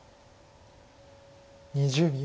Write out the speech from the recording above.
２０秒。